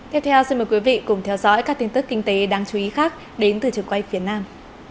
tiếp theo xin mời quý vị cùng theo dõi các tin tức kinh tế đáng chú ý khác đến từ trường quay phía nam